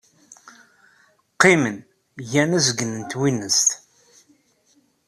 Qqimen, gan azgen n twinest.